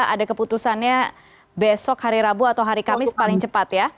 ada keputusannya besok hari rabu atau hari kamis paling cepat ya